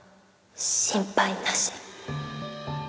心配なし。